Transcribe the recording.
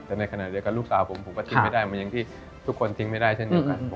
แต่ในขณะเดียวกันลูกสาวผมผมก็ทิ้งไม่ได้เหมือนอย่างที่ทุกคนทิ้งไม่ได้เช่นเดียวกัน